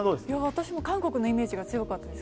私も韓国のイメージが強かったです。